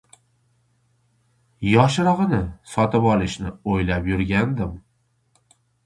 Yoshrogʻini sotib olishni oʻylab yurgandim.